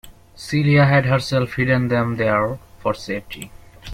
Celia had herself hidden them there for safety.